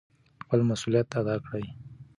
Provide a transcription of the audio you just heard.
خپل مسؤلیت ادا کړئ.